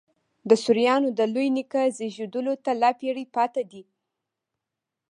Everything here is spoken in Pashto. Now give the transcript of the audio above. د سوریانو د لوی نیکه زېږېدلو ته لا پېړۍ پاته دي.